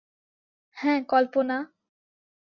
হ্যাঁ, কল্পনা।